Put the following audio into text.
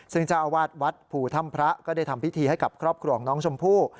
จังหวัดวัดผูท่ำพระก็ได้ทำพิธีให้กับครอบครัวของน้องชมพู่